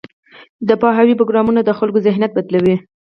د پوهاوي پروګرامونه د خلکو ذهنیت بدلوي.